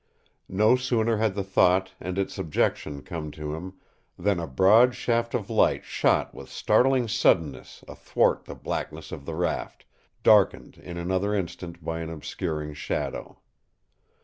No sooner had the thought and its objection come to him than a broad shaft of light shot with startling suddenness athwart the blackness of the raft, darkened in another instant by an obscuring shadow.